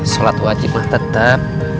solat wajib mah tetep